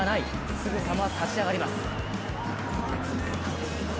すぐさま立ち上がります。